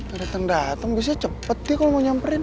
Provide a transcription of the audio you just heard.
gak dateng dateng biasanya cepet dia kalo mau nyamperin